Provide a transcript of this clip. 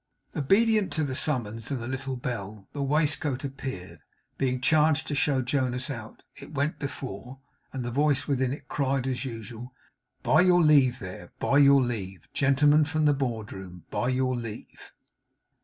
Obedient to the summons and the little bell, the waistcoat appeared. Being charged to show Jonas out, it went before; and the voice within it cried, as usual, 'By your leave there, by your leave! Gentleman from the board room, by your leave!